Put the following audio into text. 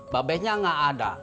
babehnya gak ada